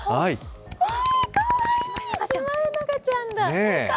かわいい、シマエナガちゃんだ。